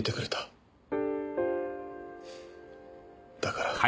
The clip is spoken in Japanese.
だから。